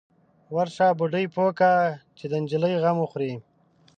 _ورشه، بوډۍ پوه که چې د نجلۍ غم وخوري.